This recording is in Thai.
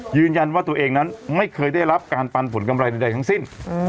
ยืนยันว่าตัวเองนั้นไม่เคยได้รับการปันผลกำไรใดทั้งสิ้น